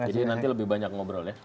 jadi nanti lebih banyak ngobrol ya